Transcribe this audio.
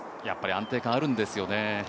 やっぱり安定感があるんですよね。